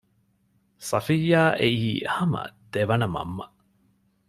ޞަފިއްޔާ އެއީ ހަމަ ދެވަނަ މަންމަ